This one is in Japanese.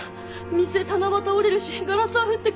店棚は倒れるしガラスは降ってくるし。